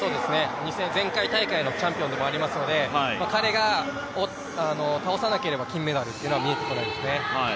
前回大会のチャンピオンでありますので、彼を倒さないと金メダルというのは見えてこないですね。